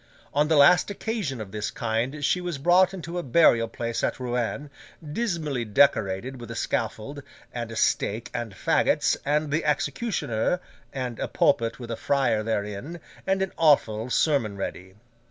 On the last occasion of this kind she was brought into a burial place at Rouen, dismally decorated with a scaffold, and a stake and faggots, and the executioner, and a pulpit with a friar therein, and an awful sermon ready.